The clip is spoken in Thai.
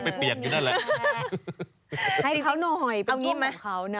อ๋อโห้ให้เขาหน่อยว่าเป็นช่วงของเขานะ